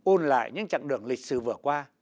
ôn lại những chặng đường lịch sử vừa qua